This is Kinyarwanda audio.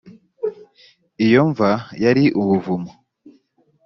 iyo mva yari ubuvumo